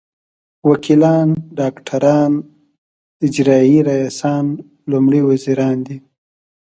وکیلان ډاکټران اجرايي رییسان لومړي وزیران دي.